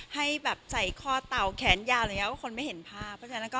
ให้ใส่คอเตาแขนยาวอะไรอย่างนี้ก็คนไม่เห็นภาพ